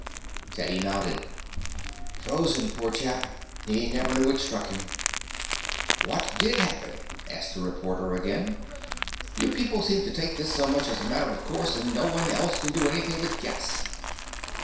Teddy nodded. "Frozen, poor chap. He never knew what struck him." "What did happen?" asked the reporter again. "You people seem to take this so much as a matter of course, and no one else can do anything but guess."